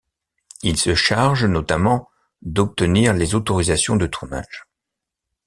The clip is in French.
Ils se chargent, notamment, d'obtenir les autorisations de tournage.